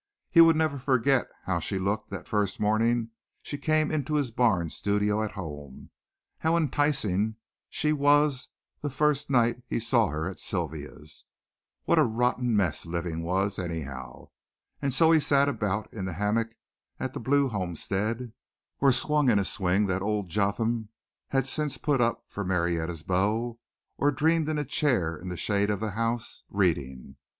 He would never forget how she looked the first morning she came into his barn studio at home how enticing she was the first night he saw her at Sylvia's. What a rotten mess living was, anyhow. And so he sat about in the hammock at the Blue homestead, or swung in a swing that old Jotham had since put up for Marietta's beaux, or dreamed in a chair in the shade of the house, reading.